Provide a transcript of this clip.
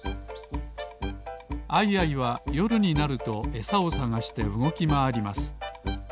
アイアイはよるになるとえさをさがしてうごきまわります。